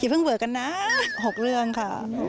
อย่าเพิ่งเบื่อกันน่ะ๖เรื่องค่ะ